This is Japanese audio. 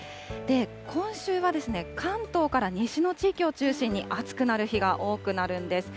今週は関東から西の地域を中心に、暑くなる日が多くなるんです。